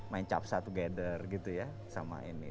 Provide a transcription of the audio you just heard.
main capsa together gitu ya sama ini